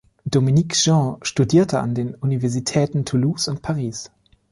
Dominique Jean studierte an den Universitäten Toulouse und Paris.